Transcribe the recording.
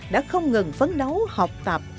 đã không ngừng phấn đấu học tập